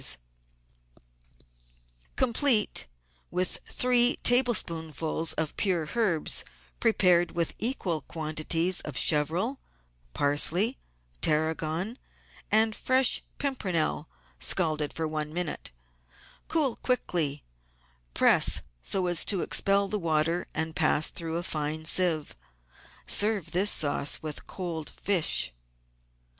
COLD SAUCES AND COMPOUND BUTTERS 49 Complete with three tablespoonfuls of pur^e of herbs, pre pared with equal quantities of chervil, parsley, tarragon, and fresh pimpernel, scalded for one minute. Cool quickly, press so as to expel the water, and pass through a fine sieve. Serve this sauce with cold fish.